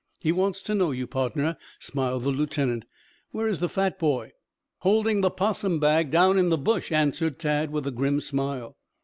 He wants to know you, pardner," smiled the lieutenant. "Where is the fat boy?" "Holding the 'possum bag down in the bush," answered Tad with a grim smile.